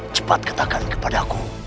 cepat katakan kepadaku